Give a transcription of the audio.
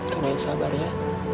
kamu yang sabar ya